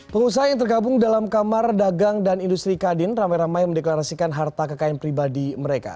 pengusaha yang tergabung dalam kamar dagang dan industri kadin ramai ramai mendeklarasikan harta kekayaan pribadi mereka